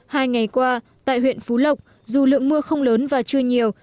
hai ngày qua tại huyện phú lộc dù lượng mưa không lớn và chưa nhiều